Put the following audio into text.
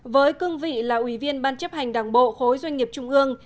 với cương vị là ủy viên ban chấp hành đảng bộ khối doanh nghiệp trung ương